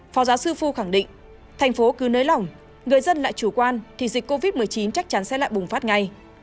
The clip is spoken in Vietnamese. phó giáo sư phu khẳng định thành phố cứ nới lỏng người dân lại chủ quan thì dịch covid một mươi chín chắc chắn sẽ lại bùng phát ngay